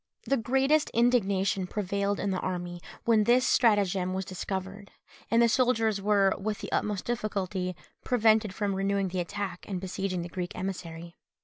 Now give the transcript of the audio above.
The greatest indignation prevailed in the army when this stratagem was discovered, and the soldiers were, with the utmost difficulty, prevented from renewing the attack and besieging the Greek emissary.